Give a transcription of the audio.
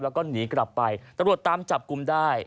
แล้วก็หนีกลับไปตำรวจตามจับกลุ่มได้